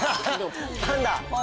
パンダ。